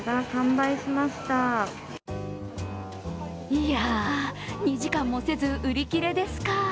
いやあ、２時間もせず売り切れですか。